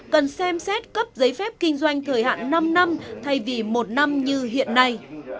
cần xem xét cấp giấy phép kinh doanh thời hạn năm năm thay vì một năm như hiện nay